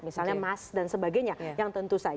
misalnya mas dan sebagainya yang tentu saja